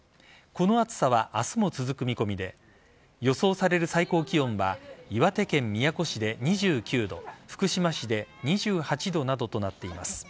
この暑さは明日も続く見込みで予想される最高気温は岩手県宮古市で２９度福島市で２８度などとなっています。